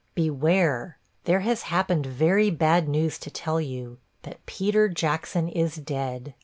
Beware! There has happened very bad news to tell you, that Peter Jackson is dead.